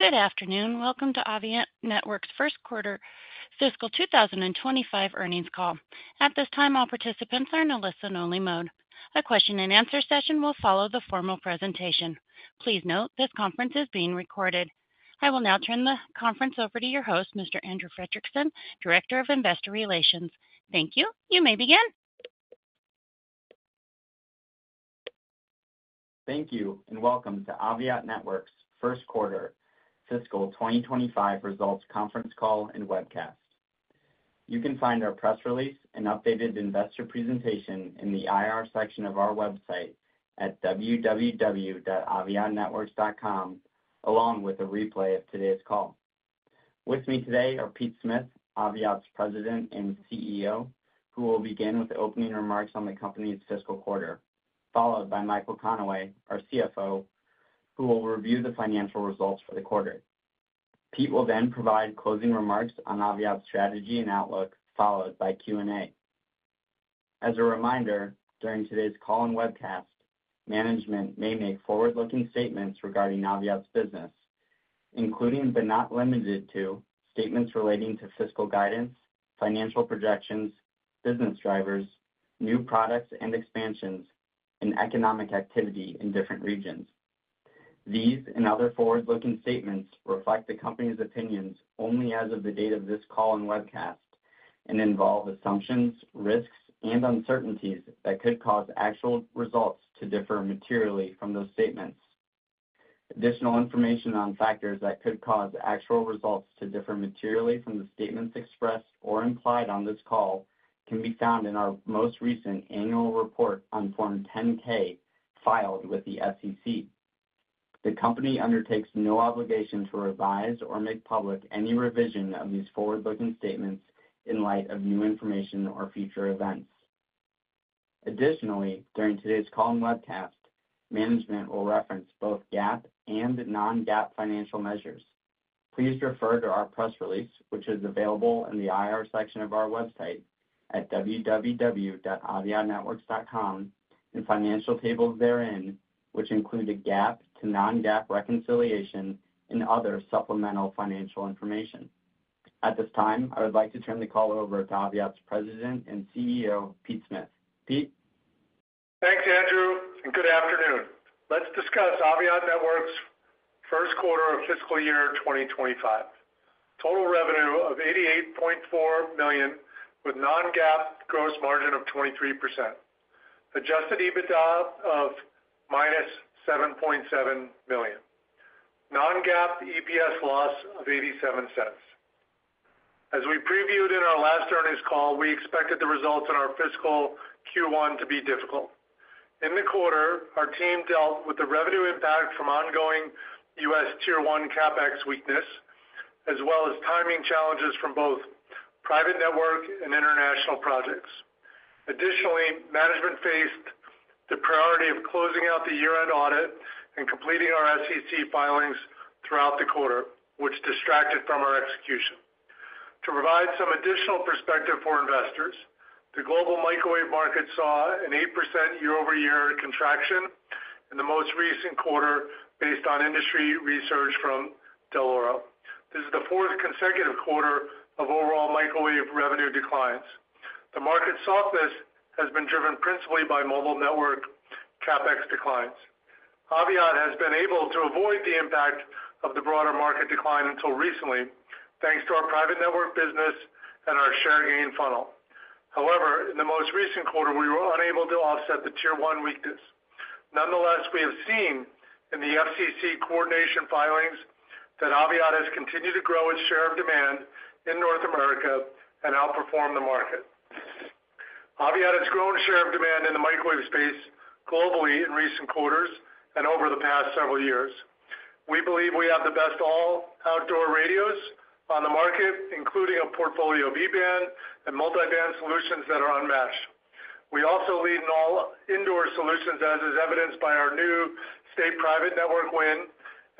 Good afternoon. Welcome to Aviat Networks' first quarter fiscal 2025 earnings call. At this time, all participants are in a listen-only mode. A question-and-answer session will follow the formal presentation. Please note, this conference is being recorded. I will now turn the conference over to your host, Mr. Andrew Fredrickson, Director of Investor Relations. Thank you. You may begin. Thank you, and welcome to Aviat Networks' first quarter fiscal 2025 results conference call and webcast. You can find our press release and updated investor presentation in the IR section of our website at www.aviatnetworks.com, along with a replay of today's call. With me today are Pete Smith, Aviat's President and CEO, who will begin with opening remarks on the company's fiscal quarter, followed by Michael Connaway, our CFO, who will review the financial results for the quarter. Pete will then provide closing remarks on Aviat's strategy and outlook, followed by Q&A. As a reminder, during today's call and webcast, management may make forward-looking statements regarding Aviat's business, including, but not limited to, statements relating to fiscal guidance, financial projections, business drivers, new products and expansions, and economic activity in different regions. These and other forward-looking statements reflect the company's opinions only as of the date of this call and webcast and involve assumptions, risks, and uncertainties that could cause actual results to differ materially from those statements. Additional information on factors that could cause actual results to differ materially from the statements expressed or implied on this call can be found in our most recent annual report on Form 10-K filed with the SEC. The company undertakes no obligation to revise or make public any revision of these forward-looking statements in light of new information or future events. Additionally, during today's call and webcast, management will reference both GAAP and non-GAAP financial measures. Please refer to our press release, which is available in the IR section of our website at www.aviatnetworks.com, and financial tables therein, which include a GAAP to non-GAAP reconciliation and other supplemental financial information. At this time, I would like to turn the call over to Aviat's President and CEO, Pete Smith. Pete? Thanks, Andrew, and good afternoon. Let's discuss Aviat Networks' first quarter of fiscal year 2025. Total revenue of $88.4 million, with non-GAAP gross margin of 23%. Adjusted EBITDA of -$7.7 million. Non-GAAP EPS loss of $0.87. As we previewed in our last earnings call, we expected the results in our fiscal Q1 to be difficult. In the quarter, our team dealt with the revenue impact from ongoing U.S. Tier 1 CapEx weakness, as well as timing challenges from both private network and international projects. Additionally, management faced the priority of closing out the year-end audit and completing our SEC filings throughout the quarter, which distracted from our execution. To provide some additional perspective for investors, the global microwave market saw an 8% year-over-year contraction in the most recent quarter based on industry research from Dell'Oro. This is the fourth consecutive quarter of overall microwave revenue declines. The market's softness has been driven principally by mobile network CapEx declines. Aviat has been able to avoid the impact of the broader market decline until recently, thanks to our private network business and our share gain funnel. However, in the most recent quarter, we were unable to offset the Tier 1 weakness. Nonetheless, we have seen in the FCC coordination filings that Aviat has continued to grow its share of demand in North America and outperform the market. Aviat has grown share of demand in the microwave space globally in recent quarters and over the past several years. We believe we have the best all-outdoor radios on the market, including a portfolio of E-band and multi-band solutions that are unmatched. We also lead in all-indoor solutions, as is evidenced by our new state private network win,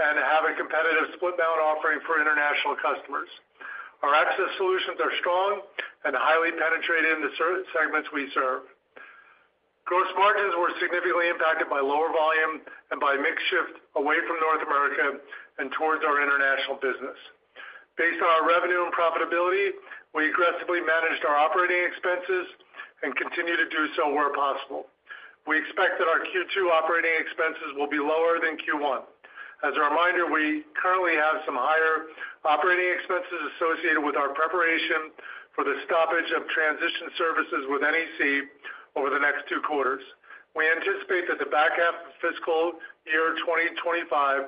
and have a competitive split-mount offering for international customers. Our access solutions are strong and highly penetrated in the certain segments we serve. Gross margins were significantly impacted by lower volume and by mix shift away from North America and towards our international business. Based on our revenue and profitability, we aggressively managed our operating expenses and continue to do so where possible. We expect that our Q2 operating expenses will be lower than Q1. As a reminder, we currently have some higher operating expenses associated with our preparation for the stoppage of transition services with NEC over the next two quarters. We anticipate that the back half of fiscal year 2025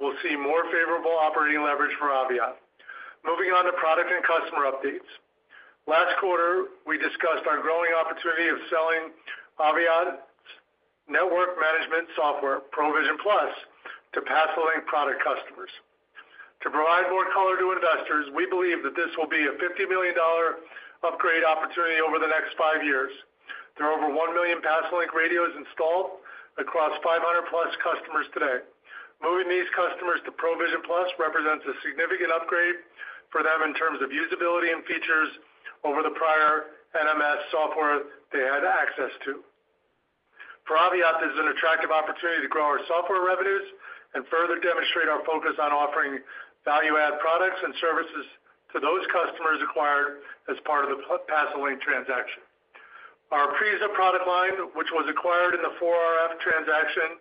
will see more favorable operating leverage for Aviat. Moving on to product and customer updates. Last quarter, we discussed our growing opportunity of selling Aviat's network management software, ProVision Plus, to Pasolink product customers. To provide more color to investors, we believe that this will be a $50 million upgrade opportunity over the next five years. There are over one million Pasolink radios installed across 500+ customers today. Moving these customers to ProVision Plus represents a significant upgrade for them in terms of usability and features over the prior NMS software they had access to. For Aviat, this is an attractive opportunity to grow our software revenues and further demonstrate our focus on offering value-add products and services to those customers acquired as part of the Pasolink transaction. Our Aprisa product line, which was acquired in the 4RF transaction,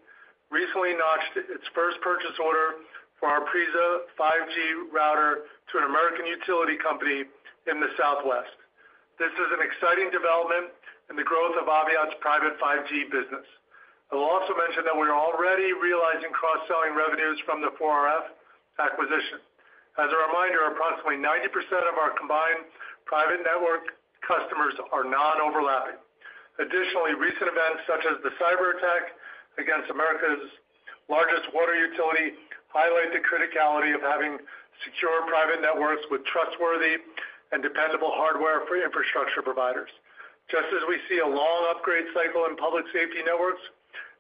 recently notched its first purchase order for our Aprisa 5G router to an American utility company in the Southwest. This is an exciting development in the growth of Aviat's private 5G business. I will also mention that we are already realizing cross-selling revenues from the 4RF acquisition. As a reminder, approximately 90% of our combined private network customers are non-overlapping. Additionally, recent events such as the cyber attack against America's largest water utility highlight the criticality of having secure private networks with trustworthy and dependable hardware for infrastructure providers. Just as we see a long upgrade cycle in public safety networks,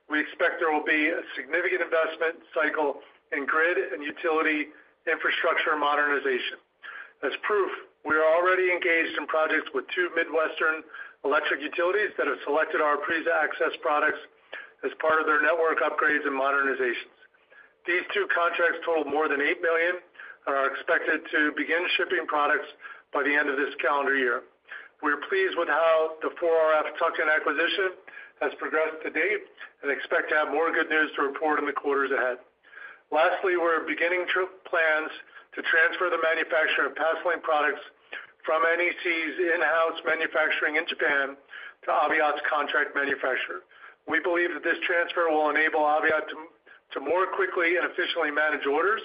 we expect there will be a significant investment cycle in grid and utility infrastructure modernization. As proof, we are already engaged in projects with two Midwestern electric utilities that have selected our Aprisa Access products as part of their network upgrades and modernizations. These two contracts total more than $8 million and are expected to begin shipping products by the end of this calendar year. We're pleased with how the 4RF tuck-in acquisition has progressed to date and expect to have more good news to report in the quarters ahead. Lastly, we're beginning plans to transfer the manufacturing of Pasolink products from NEC's in-house manufacturing in Japan to Aviat's contract manufacturer. We believe that this transfer will enable Aviat to more quickly and efficiently manage orders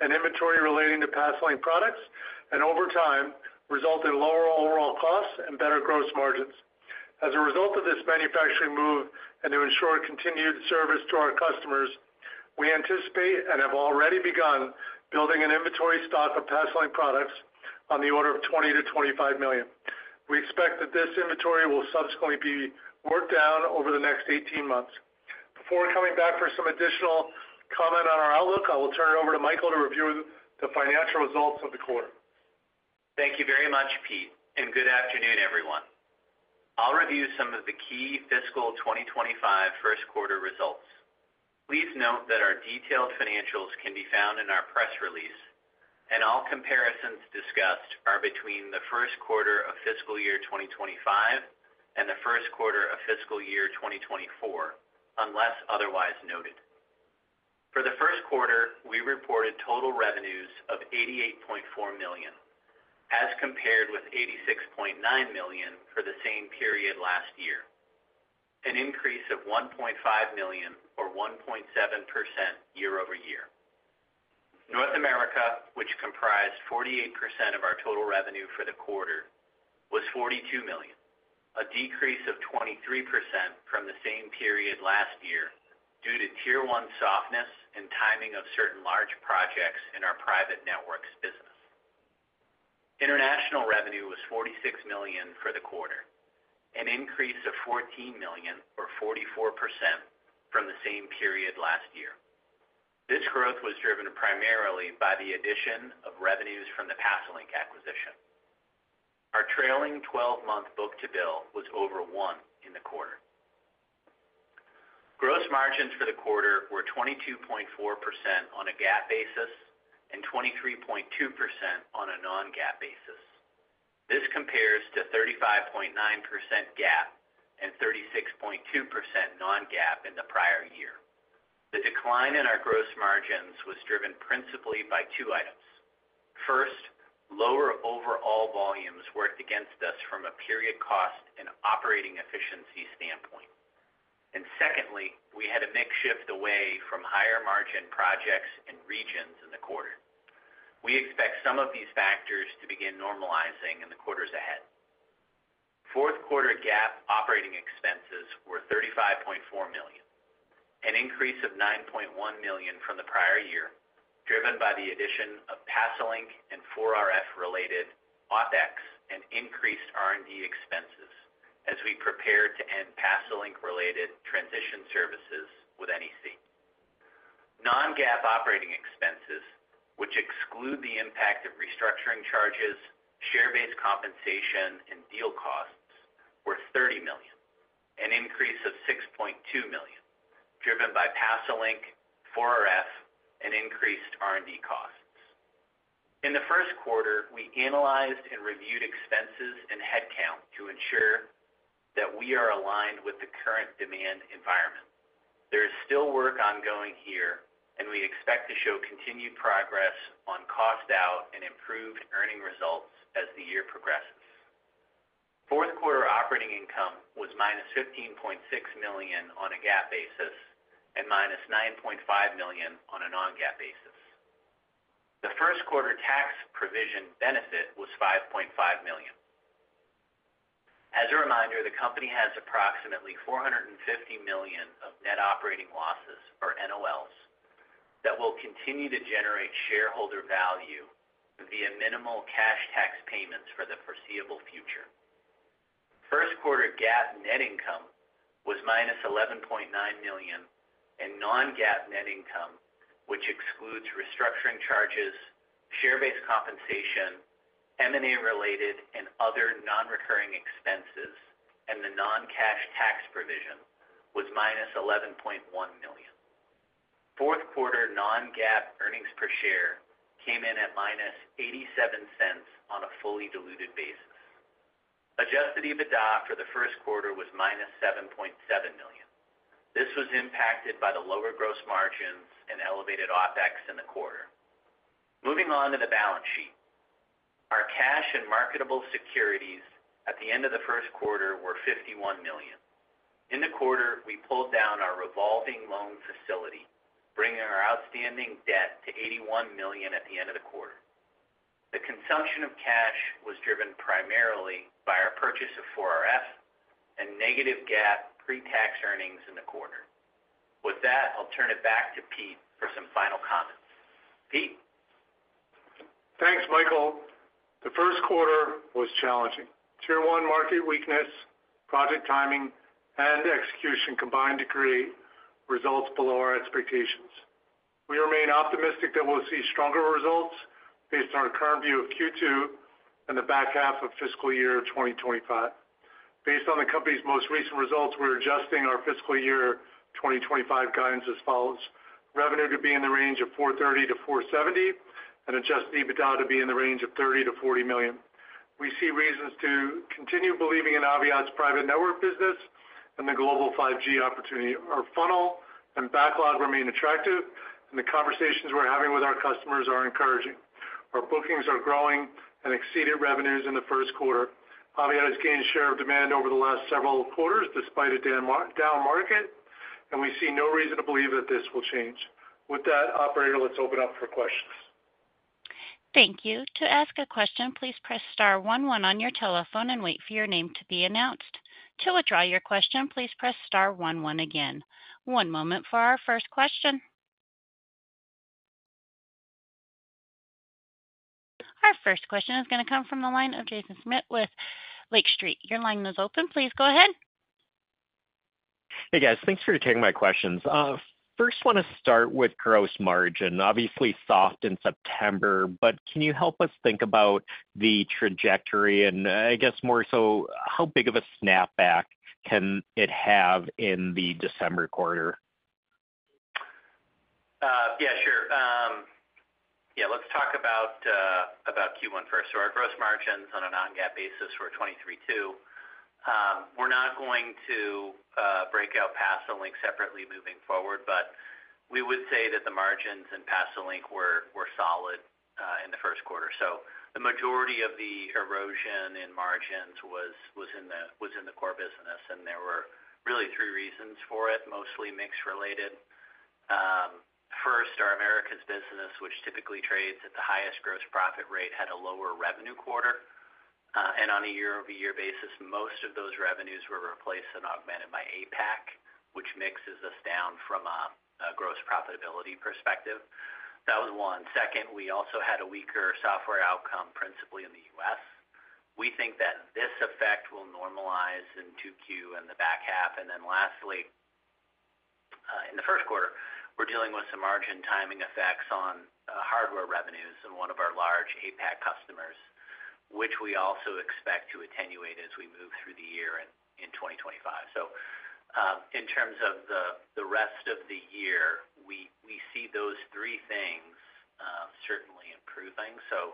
and inventory relating to Pasolink products and, over time, result in lower overall costs and better gross margins. As a result of this manufacturing move and to ensure continued service to our customers, we anticipate and have already begun building an inventory stock of Pasolink products on the order of $20 million-$25 million. We expect that this inventory will subsequently be worked down over the next 18 months. Before coming back for some additional comment on our outlook, I will turn it over to Michael to review the financial results of the quarter. Thank you very much, Pete, and good afternoon, everyone. I'll review some of the key fiscal 2025 first quarter results. Please note that our detailed financials can be found in our press release, and all comparisons discussed are between the first quarter of fiscal year 2025 and the first quarter of fiscal year 2024, unless otherwise noted. For the first quarter, we reported total revenues of $88.4 million, as compared with $86.9 million for the same period last year, an increase of $1.5 million, or 1.7% year-over-year. North America, which comprised 48% of our total revenue for the quarter, was $42 million, a decrease of 23% from the same period last year due to Tier 1 softness and timing of certain large projects in our private networks business. International revenue was $46 million for the quarter, an increase of $14 million, or 44% from the same period last year. This growth was driven primarily by the addition of revenues from the Pasolink acquisition. Our trailing 12-month book-to-bill was over $1 in the quarter. Gross margins for the quarter were 22.4% on a GAAP basis and 23.2% on a non-GAAP basis. This compares to 35.9% GAAP and 36.2% non-GAAP in the prior year. The decline in our gross margins was driven principally by two items. First, lower overall volumes worked against us from a period cost and operating efficiency standpoint. And secondly, we had a mix shift away from higher margin projects and regions in the quarter. We expect some of these factors to begin normalizing in the quarters ahead. Fourth quarter GAAP operating expenses were $35.4 million, an increase of $9.1 million from the prior year, driven by the addition of Pasolink and 4RF-related OpEx and increased R&D expenses as we prepare to end Pasolink-related transition services with NEC. Non-GAAP operating expenses, which exclude the impact of restructuring charges, share-based compensation, and deal costs, were $30 million, an increase of $6.2 million, driven by Pasolink, 4RF, and increased R&D costs. In the first quarter, we analyzed and reviewed expenses and headcount to ensure that we are aligned with the current demand environment. There is still work ongoing here, and we expect to show continued progress on cost out and improved earning results as the year progresses. Fourth quarter operating income was -$15.6 million on a GAAP basis and -$9.5 million on a non-GAAP basis. The first quarter tax provision benefit was $5.5 million. As a reminder, the company has approximately $450 million of net operating losses, or NOLs, that will continue to generate shareholder value via minimal cash tax payments for the foreseeable future. First quarter GAAP net income was -$11.9 million, and non-GAAP net income, which excludes restructuring charges, share-based compensation, M&A-related and other non-recurring expenses and the non-cash tax provision, was -$11.1 million. Fourth quarter non-GAAP earnings per share came in at -$0.87 on a fully diluted basis. Adjusted EBITDA for the first quarter was -$7.7 million. This was impacted by the lower gross margins and elevated OpEx in the quarter. Moving on to the balance sheet, our cash and marketable securities at the end of the first quarter were $51 million. In the quarter, we pulled down our revolving loan facility, bringing our outstanding debt to $81 million at the end of the quarter. The consumption of cash was driven primarily by our purchase of 4RF and negative GAAP pre-tax earnings in the quarter. With that, I'll turn it back to Pete for some final comments. Pete? Thanks, Michael. The first quarter was challenging. Tier 1 market weakness, project timing, and execution combined to create results below our expectations. We remain optimistic that we'll see stronger results based on our current view of Q2 and the back half of fiscal year 2025. Based on the company's most recent results, we're adjusting our fiscal year 2025 guidance as follows: revenue to be in the range of $430 million-$470 million, and Adjusted EBITDA to be in the range of $30 million-$40 million. We see reasons to continue believing in Aviat's private network business and the global 5G opportunity. Our funnel and backlog remain attractive, and the conversations we're having with our customers are encouraging. Our bookings are growing and exceeded revenues in the first quarter. Aviat has gained share of demand over the last several quarters despite a down market, and we see no reason to believe that this will change. With that, Operator, let's open up for questions. Thank you. To ask a question, please press star one one on your telephone and wait for your name to be announced. To withdraw your question, please press star one one again. One moment for our first question. Our first question is going to come from the line of Jaeson Schmidt with Lake Street. Your line is open. Please go ahead. Hey, guys. Thanks for taking my questions. First, I want to start with gross margin. Obviously, soft in September, but can you help us think about the trajectory and, I guess, more so how big of a snapback can it have in the December quarter? Yeah, sure. Yeah, let's talk about Q1 first. So our gross margins on a non-GAAP basis were $23.2 million. We're not going to break out Pasolink separately moving forward, but we would say that the margins in Pasolink were solid in the first quarter. So the majority of the erosion in margins was in the core business, and there were really three reasons for it, mostly mix-related. First, our Americas business, which typically trades at the highest gross profit rate, had a lower revenue quarter. And on a year-over-year basis, most of those revenues were replaced and augmented by APAC, which mixes us down from a gross profitability perspective. That was one. Second, we also had a weaker software outcome principally in the U.S. We think that this effect will normalize in Q2 and the back half. And then lastly, in the first quarter, we're dealing with some margin timing effects on hardware revenues in one of our large APAC customers, which we also expect to attenuate as we move through the year in 2025. So in terms of the rest of the year, we see those three things certainly improving. So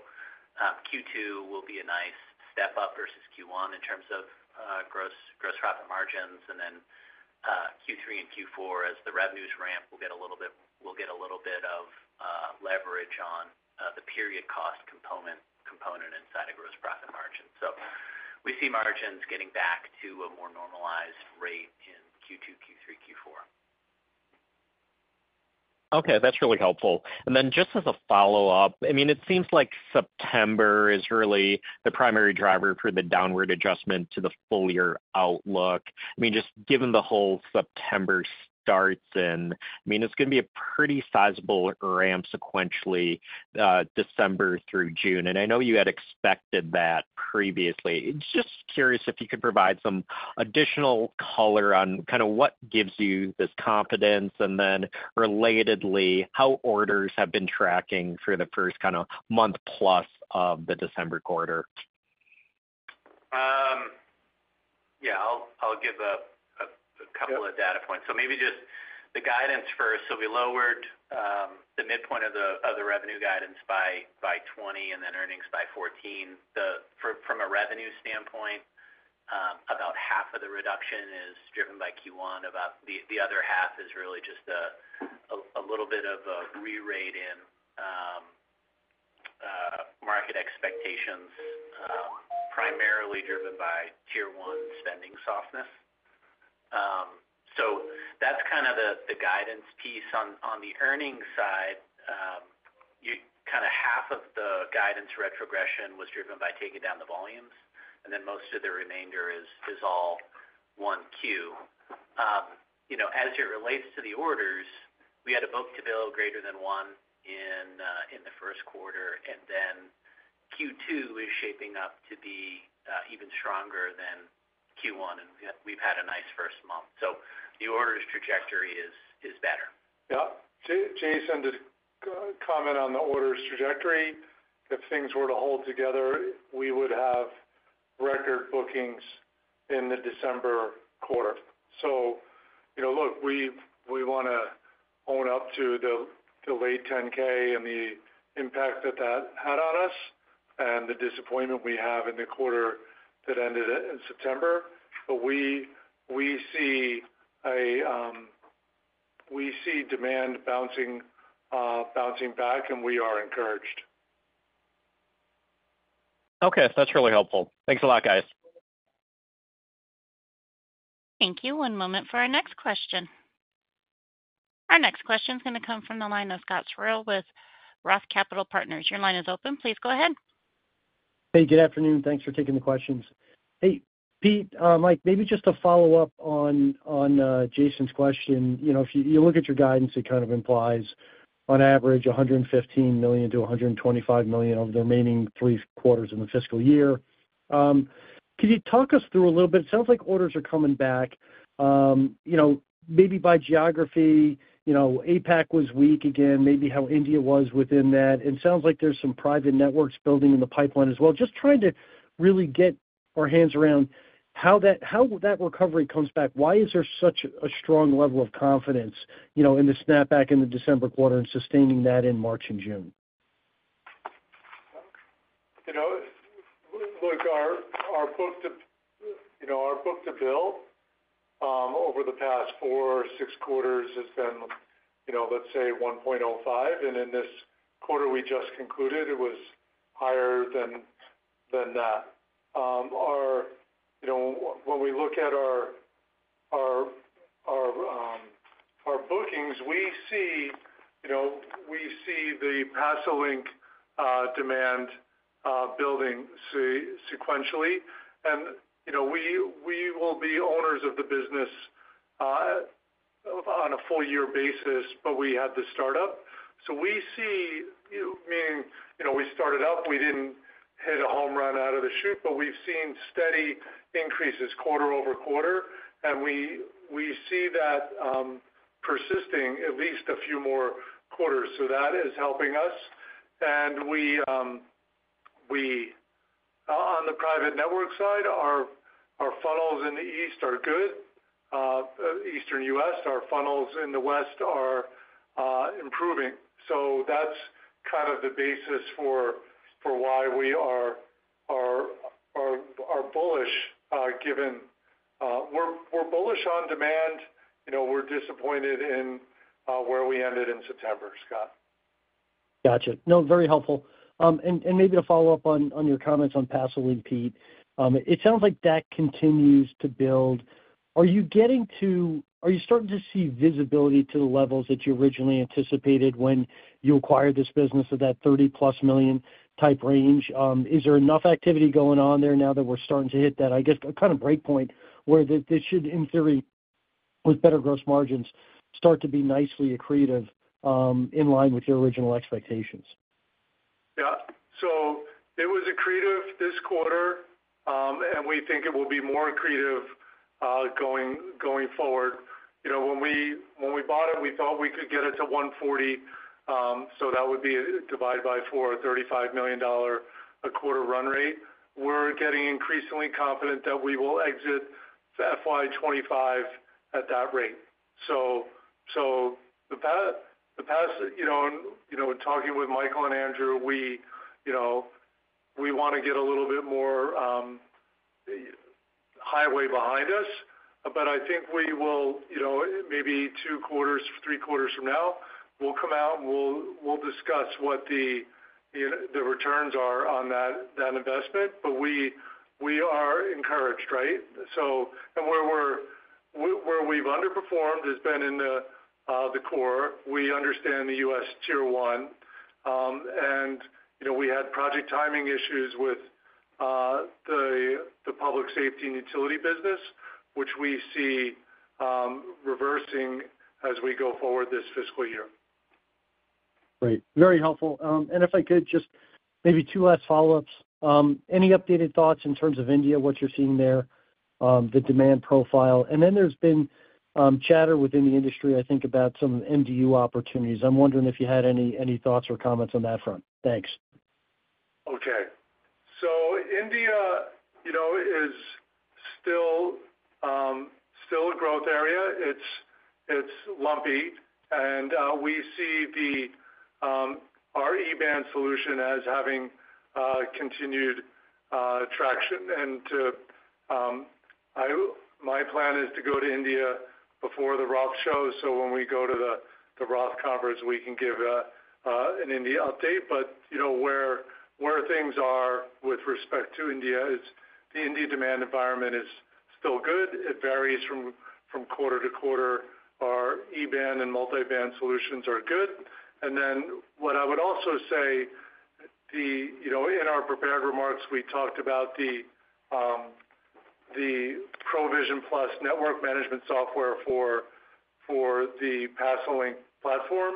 Q2 will be a nice step up versus Q1 in terms of gross profit margins. And then Q3 and Q4, as the revenues ramp, we'll get a little bit of leverage on the period cost component inside of gross profit margins. So we see margins getting back to a more normalized rate in Q2, Q3, Q4. Okay. That's really helpful. And then just as a follow-up, I mean, it seems like September is really the primary driver for the downward adjustment to the full-year outlook. I mean, just given the whole September starts in, I mean, it's going to be a pretty sizable ramp sequentially December through June. And I know you had expected that previously. Just curious if you could provide some additional color on kind of what gives you this confidence. And then relatedly, how orders have been tracking for the first kind of month plus of the December quarter? Yeah, I'll give a couple of data points. So maybe just the guidance first. So we lowered the midpoint of the revenue guidance by $20 and then earnings by $14. From a revenue standpoint, about half of the reduction is driven by Q1. The other half is really just a little bit of a re-rating market expectations, primarily driven by Tier 1 spending softness. So that's kind of the guidance piece. On the earnings side, kind of half of the guidance retrogression was driven by taking down the volumes, and then most of the remainder is all 1Q. As it relates to the orders, we had a book-to-bill greater than one in the first quarter, and then Q2 is shaping up to be even stronger than Q1, and we've had a nice first month. So the orders trajectory is better. Yeah. Jaeson did comment on the orders trajectory. If things were to hold together, we would have record bookings in the December quarter. So look, we want to own up to the late 10-K and the impact that that had on us and the disappointment we have in the quarter that ended in September. But we see demand bouncing back, and we are encouraged. Okay. That's really helpful. Thanks a lot, guys. Thank you. One moment for our next question. Our next question is going to come from the line of Scott Searle with Roth Capital Partners. Your line is open. Please go ahead. Hey, good afternoon. Thanks for taking the questions. Hey, Pete, Mike, maybe just to follow up on Jaeson question. If you look at your guidance, it kind of implies on average $115 million-$125 million over the remaining three quarters of the fiscal year. Can you talk us through a little bit? It sounds like orders are coming back, maybe by geography. APAC was weak again, maybe how India was within that. And it sounds like there's some private networks building in the pipeline as well. Just trying to really get our hands around how that recovery comes back. Why is there such a strong level of confidence in the snapback in the December quarter and sustaining that in March and June? Look, our book-to-bill over the past four or six quarters has been, let's say, 1.05. In this quarter we just concluded, it was higher than that. When we look at our bookings, we see the Pasolink demand building sequentially. We will be owners of the business on a full year basis, but we had to start up. We see, meaning we started up, we didn't hit a home run out of the chute, but we've seen steady increases quarter over quarter. We see that persisting at least a few more quarters. That is helping us. On the private network side, our funnels in the east are good. Eastern U.S., our funnels in the west are improving. That's kind of the basis for why we are bullish, given we're bullish on demand. We're disappointed in where we ended in September, Scott. Gotcha. No, very helpful. And maybe to follow up on your comments on Pasolink, Pete, it sounds like that continues to build. Are you starting to see visibility to the levels that you originally anticipated when you acquired this business of that $30+ million type range? Is there enough activity going on there now that we're starting to hit that, I guess, kind of breakpoint where this should, in theory, with better gross margins, start to be nicely accretive in line with your original expectations? Yeah, so it was accretive this quarter, and we think it will be more accretive going forward. When we bought it, we thought we could get it to $140, so that would be divided by four, a $35 million a quarter run rate. We're getting increasingly confident that we will exit FY 2025 at that rate, so the past, talking with Michael and Andrew, we want to get a little bit more highway behind us, but I think we will, maybe two quarters, three quarters from now, we'll come out and we'll discuss what the returns are on that investment, but we are encouraged, right, and where we've underperformed has been in the core. We understand the U.S. Tier 1, and we had project timing issues with the public safety and utility business, which we see reversing as we go forward this fiscal year. Great. Very helpful. And if I could, just maybe two last follow-ups. Any updated thoughts in terms of India, what you're seeing there, the demand profile? And then there's been chatter within the industry, I think, about some MDU opportunities. I'm wondering if you had any thoughts or comments on that front. Thanks. Okay. So India is still a growth area. It's lumpy. And we see our E-band solution as having continued traction. And my plan is to go to India before the Roth show. So when we go to the Roth conference, we can give an India update. But where things are with respect to India, the India demand environment is still good. It varies from quarter to quarter. Our E-band and multi-band solutions are good. And then what I would also say, in our prepared remarks, we talked about the ProVision Plus network management software for the Pasolink platform.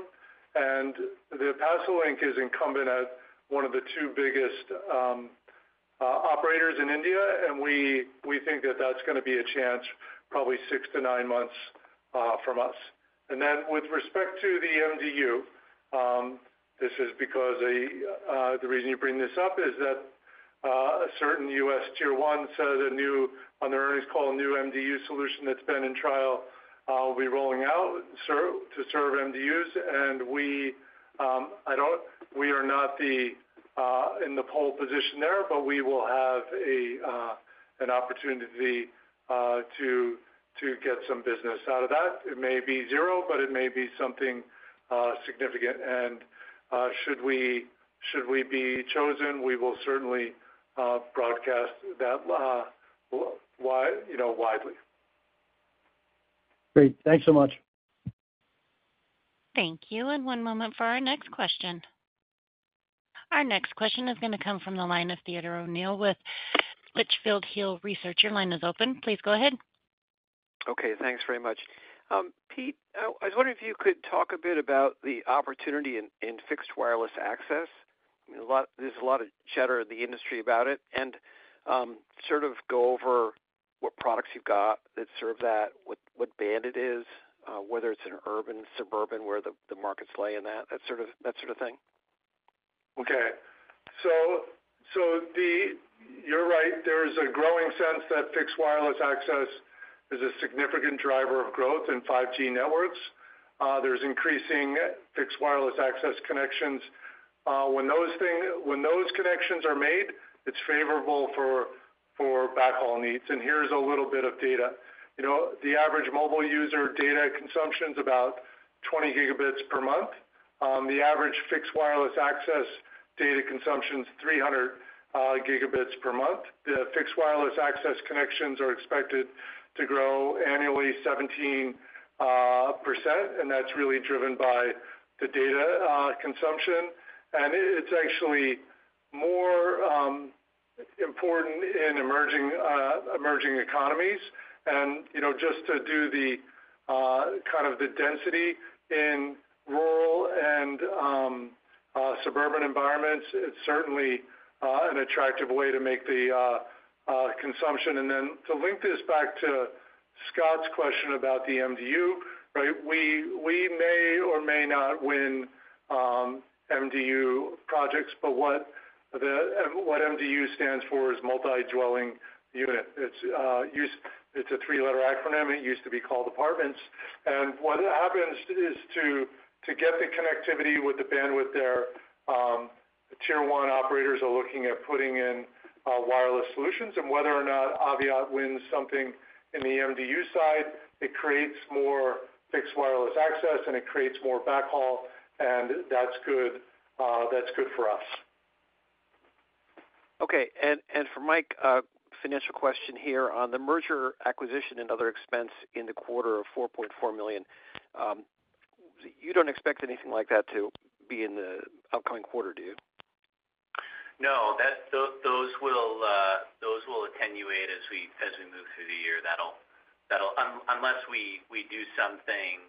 And the Pasolink is incumbent at one of the two biggest operators in India. And we think that that's going to be a chance probably six to nine months from us. With respect to the MDU, this is because the reason you bring this up is that a certain U.S. Tier 1 said on their earnings call, a new MDU solution that's been in trial will be rolling out to serve MDUs. We are not in the pole position there, but we will have an opportunity to get some business out of that. It may be zero, but it may be something significant. Should we be chosen, we will certainly broadcast that widely. Great. Thanks so much. Thank you. And one moment for our next question. Our next question is going to come from the line of Theodore O'Neill with Litchfield Hills Research. Your line is open. Please go ahead. Okay. Thanks very much. Pete, I was wondering if you could talk a bit about the opportunity in fixed wireless access. There's a lot of chatter in the industry about it. And sort of go over what products you've got that serve that, what band it is, whether it's an urban, suburban, where the markets lay in that, that sort of thing. Okay. So you're right. There is a growing sense that fixed wireless access is a significant driver of growth in 5G networks. There's increasing fixed wireless access connections. When those connections are made, it's favorable for backhaul needs. And here's a little bit of data. The average mobile user data consumption is about 20 Gb per month. The average fixed wireless access data consumption is 300 Gb per month. The fixed wireless access connections are expected to grow annually 17%. And that's really driven by the data consumption. And it's actually more important in emerging economies. And just to do the kind of the density in rural and suburban environments, it's certainly an attractive way to make the consumption. And then to link this back to Scott's question about the MDU, right? We may or may not win MDU projects, but what MDU stands for is multi-dwelling unit. It's a three-letter acronym. It used to be called apartments. And what happens is to get the connectivity with the bandwidth there, Tier 1 operators are looking at putting in wireless solutions. And whether or not Aviat wins something in the MDU side, it creates more fixed wireless access and it creates more backhaul. And that's good for us. Okay, and for Mike, a financial question here. On the merger, acquisition, and other expense in the quarter of $4.4 million, you don't expect anything like that to be in the upcoming quarter, do you? No. Those will attenuate as we move through the year, unless we do something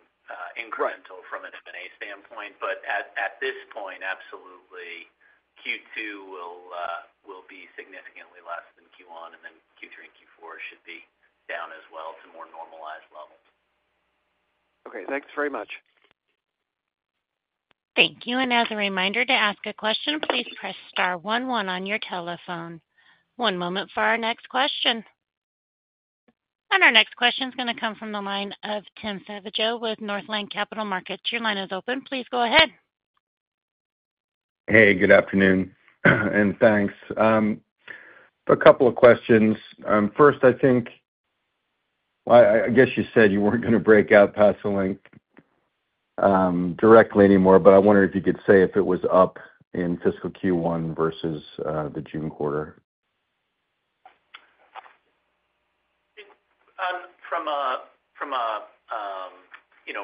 incremental from an M&A standpoint. But at this point, absolutely, Q2 will be significantly less than Q1. And then Q3 and Q4 should be down as well to more normalized levels. Okay. Thanks very much. Thank you. And as a reminder to ask a question, please press star one one on your telephone. One moment for our next question. And our next question is going to come from the line of Tim Savageaux with Northland Capital Markets. Your line is open. Please go ahead. Hey, good afternoon and thanks. A couple of questions. First, I think, I guess you said you weren't going to break out Pasolink directly anymore, but I wondered if you could say if it was up in fiscal Q1 versus the June quarter.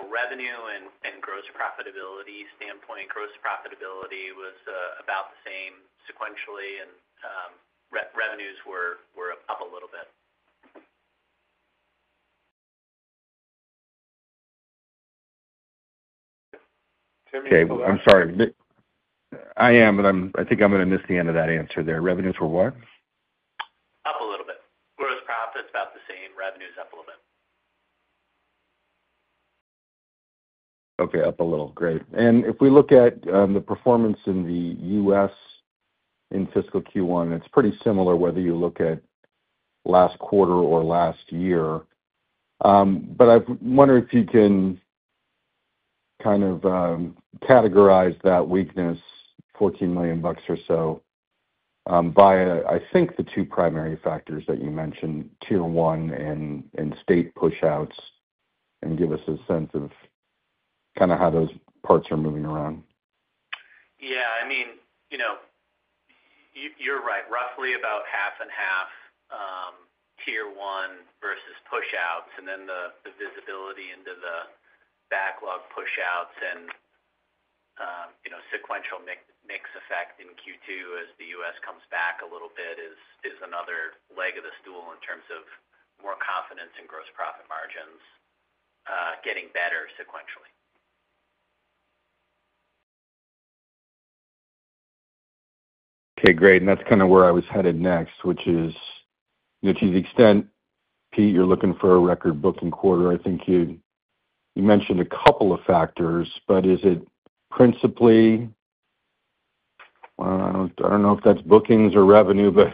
From a revenue and gross profitability standpoint, gross profitability was about the same sequentially, and revenues were up a little bit. Tim, you have a question? I'm sorry. I am, but I think I'm going to miss the end of that answer there. Revenues were what? Up a little bit. Gross profit's about the same. Revenues up a little bit. Okay. Up a little. Great. And if we look at the performance in the U.S. in fiscal Q1, it's pretty similar whether you look at last quarter or last year. But I wonder if you can kind of categorize that weakness, $14 million bucks or so, by, I think, the two primary factors that you mentioned, Tier 1 and state push-outs, and give us a sense of kind of how those parts are moving around. Yeah. I mean, you're right. Roughly about half and half Tier 1 versus push-outs. And then the visibility into the backlog push-outs and sequential mix effect in Q2 as the U.S. comes back a little bit is another leg of the stool in terms of more confidence in gross profit margins getting better sequentially. Okay. Great. And that's kind of where I was headed next, which is to the extent, Pete, you're looking for a record booking quarter. I think you mentioned a couple of factors, but is it principally, I don't know if that's bookings or revenue, but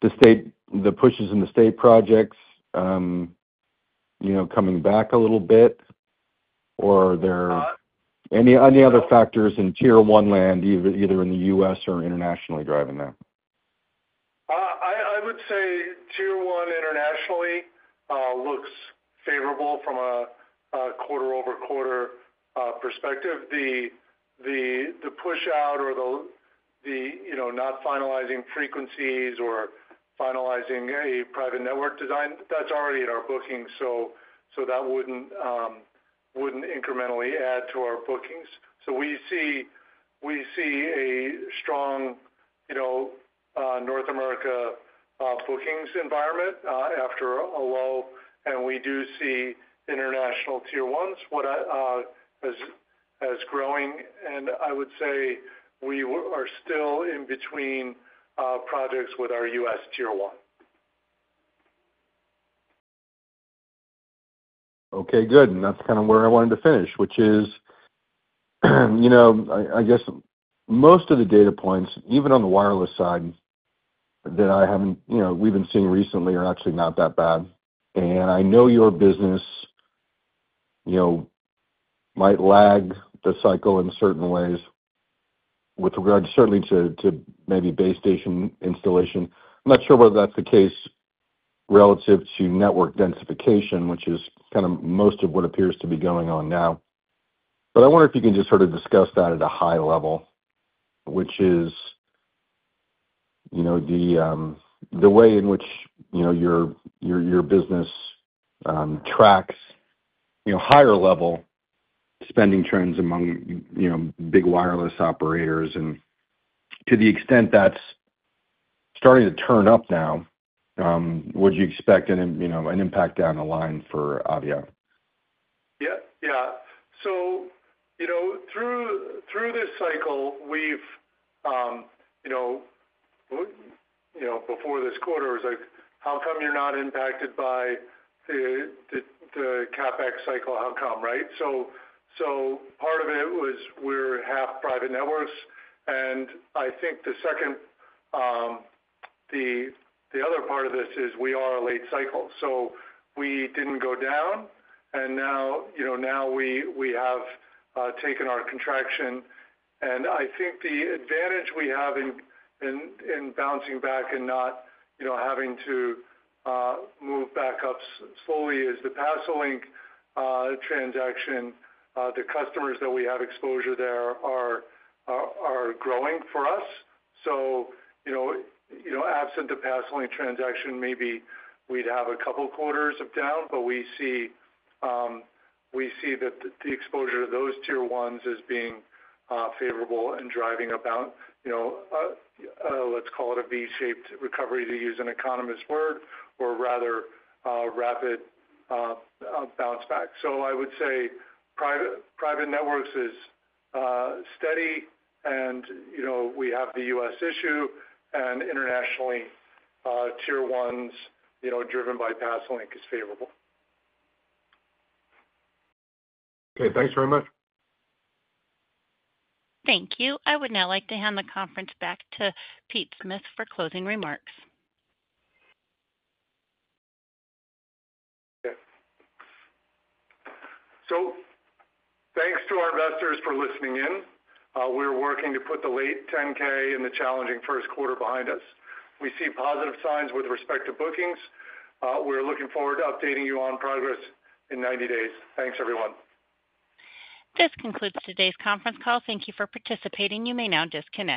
the pushes in the state projects coming back a little bit, or are there any other factors in Tier 1 land, either in the U.S. or internationally, driving that? I would say Tier 1 internationally looks favorable from a quarter-over-quarter perspective. The push-out or the not finalizing frequencies or finalizing a private network design, that's already in our booking. So that wouldn't incrementally add to our bookings. So we see a strong North America bookings environment after a lull. And we do see international Tier 1s as growing. And I would say we are still in between projects with our U.S. Tier 1. Okay. Good. And that's kind of where I wanted to finish, which is, I guess, most of the data points, even on the wireless side that we've been seeing recently, are actually not that bad. And I know your business might lag the cycle in certain ways with regard certainly to maybe base station installation. I'm not sure whether that's the case relative to network densification, which is kind of most of what appears to be going on now. But I wonder if you can just sort of discuss that at a high level, which is the way in which your business tracks higher-level spending trends among big wireless operators. And to the extent that's starting to turn up now, would you expect an impact down the line for Aviat? Yeah. Yeah. So through this cycle, we've before this quarter was like, "How come you're not impacted by the CapEx cycle? How come?" Right? So part of it was we're half private networks. And I think the second, the other part of this is we are a late cycle. So we didn't go down. And now we have taken our contraction. And I think the advantage we have in bouncing back and not having to move back up slowly is the Pasolink transaction. The customers that we have exposure there are growing for us. So absent the Pasolink transaction, maybe we'd have a couple quarters of down. But we see that the exposure to those Tier 1s is being favorable and driving about, let's call it a V-shaped recovery, to use an economist's word, or rather rapid bounce back. So I would say private networks is steady. We have the U.S. issue and internationally, Tier 1s driven by Pasolink is favorable. Okay. Thanks very much. Thank you. I would now like to hand the conference back to Pete Smith for closing remarks. Okay, so thanks to our investors for listening in. We're working to put the late 10-K and the challenging first quarter behind us. We see positive signs with respect to bookings. We're looking forward to updating you on progress in 90 days. Thanks, everyone. This concludes today's conference call. Thank you for participating. You may now disconnect.